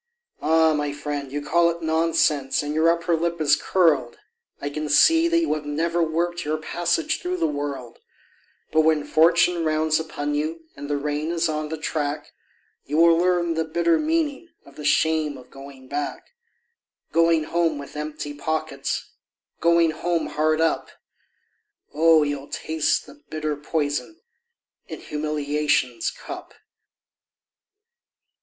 Ah! my friend, you call it nonsense, and your upper lip is curled, I can see that you have never worked your passage through the world; But when fortune rounds upon you and the rain is on the track, You will learn the bitter meaning of the shame of going back; Going home with empty pockets, Going home hard up; Oh, you'll taste the bitter poison in humiliation's cup.